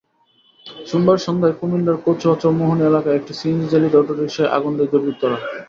সোমবার সন্ধ্যায় কুমিল্লার কচুয়া চৌমহনী এলাকায় একটি সিএনজিচালিত অটোরিকশায় আগুন দেয় দুর্বৃত্তরা।